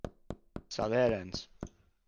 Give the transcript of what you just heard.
Salérans.